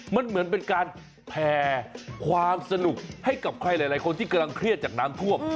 มันเหมือนเป็นการแผ่ความสนุกให้กับใครหลายคนที่กำลังเครียดจากน้ำท่วม